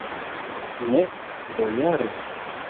Ne, bojaro.